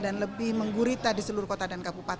dan lebih menggurita di seluruh kota dan kabupaten